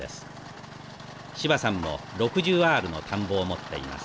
芝さんも６０アールの田んぼを持っています。